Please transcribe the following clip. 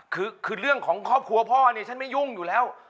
คือคือเรื่องของครอบครัวพ่อเนี่ยฉันไม่ยุ่งอยู่แล้ว